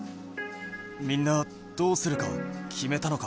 みんなどうするかきめたのか？